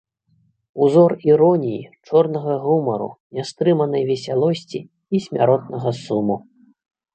Узор іроніі, чорнага гумару, нястрымнай весялосці і смяротнага суму.